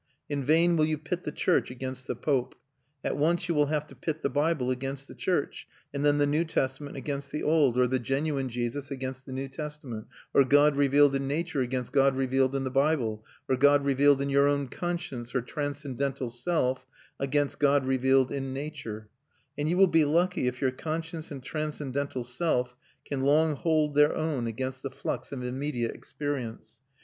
In vain will you pit the church against the pope; at once you will have to pit the Bible against the church, and then the New Testament against the Old, or the genuine Jesus against the New Testament, or God revealed in nature against God revealed in the Bible, or God revealed in your own conscience or transcendental self against God revealed in nature; and you will be lucky if your conscience and transcendental self can long hold their own against the flux of immediate experience.